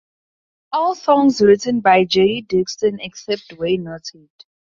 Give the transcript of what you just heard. All songs written by Jerry Dixon, except where noted.